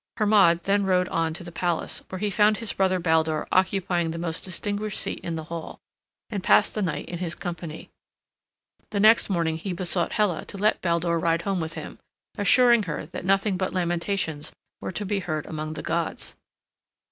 Hermod then rode on to the palace, where he found his brother Baldur occupying the most distinguished seat in the hall, and passed the night in his company. The next morning he besought Hela to let Baldur ride home with him, assuring her that nothing but lamentations were to be heard among the gods.